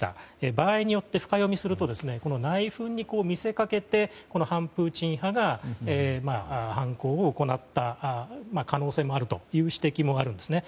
場合によって深読みすると内紛に見せかけて反プーチン派が犯行を行った可能性もあるという指摘もあるんですね。